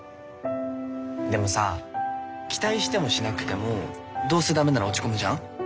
でもさ期待してもしなくてもどうせダメなら落ち込むじゃん？